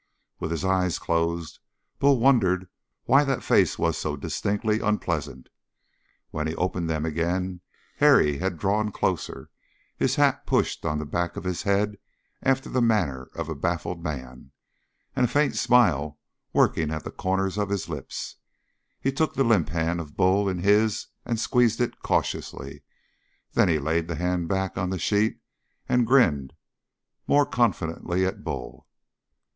With his eyes closed, Bull wondered why that face was so distinctly unpleasant. When he opened them again, Harry had drawn closer, his hat pushed on the back of his head after the manner of a baffled man, and a faint smile working at the corners of his lips. He took the limp hand of Bull in his and squeezed it cautiously. Then he laid the hand back on the sheet and grinned more confidently at Bull.